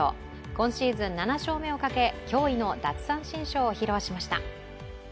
今シーズン７勝目をかけ、驚異の奪三振ショーを披露しました。